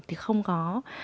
thì không có